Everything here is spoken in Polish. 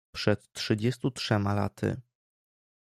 "„Przed trzydziestu trzema laty."